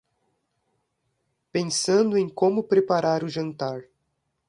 Pensando em como preparar o jantar